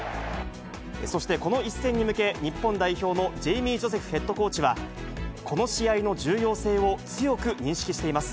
そして、この一戦に向け、日本代表のジェイミー・ジョセフヘッドコーチは、この試合の重要性を強く認識しています。